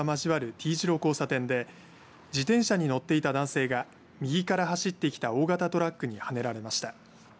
丁字路交差点で自転車に乗っていた男性が右から走ってきた大型トラックにはねられました。